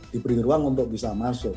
diberi ruang untuk bisa masuk